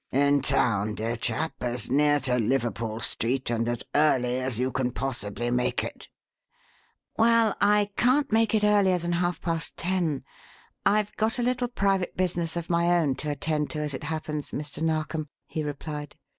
"In town, dear chap, as near to Liverpool Street and as early as you can possibly make it." "Well, I can't make it earlier than half past ten. I've got a little private business of my own to attend to, as it happens, Mr. Narkom," he replied.